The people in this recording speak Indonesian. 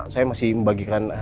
kau mau lihat kesana